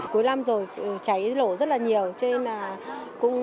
cuối năm rồi cháy nổ rất là nhiều